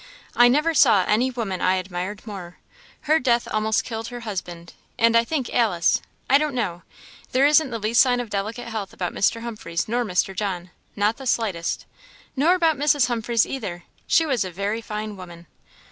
I never saw any woman I admired more. Her death almost killed her husband: and I think Alice I don't know; there isn't the least sign of delicate health about Mr. Humphreys nor Mr. John not the slightest nor about Mrs. Humphreys either. She was a very fine woman!"